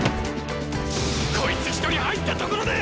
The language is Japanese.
こいつ一人入ったところで！